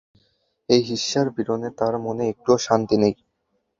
এই ঈর্ষার পীড়নে তার মনে একটুও শান্তি নেই।